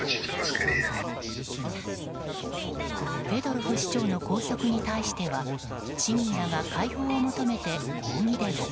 フェドロフ市長の拘束に関しては市民らが解放を求めて抗議デモ。